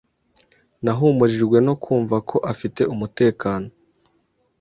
Nahumurijwe no kumva ko afite umutekano.